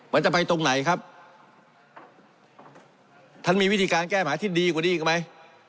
มันจะไปตรงไหนครับท่านมีวิธีการแก้หมาที่ดีกว่านี้อีกไหม